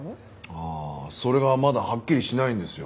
ああそれがまだはっきりしないんですよ。